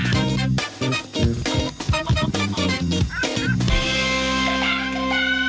โปรดติดตามตอนต่อไป